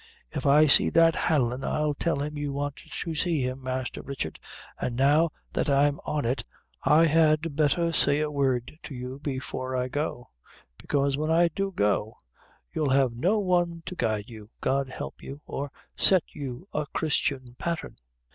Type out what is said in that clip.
If I see that Hanlon, I'll tell him you want to see him, Master Richard; an' now that I'm on it, I had betther say a word to you before I go; bekaise when I do go, you'll have no one to guide you, God help you, or to set you a Christian patthern.